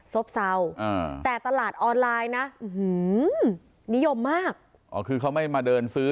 ซบเศร้าแต่ตลาดออนไลน์นะนิยมมากอ๋อคือเขาไม่มาเดินซื้อ